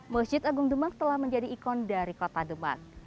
masjid agung demak telah menjadi ikon dari kota demak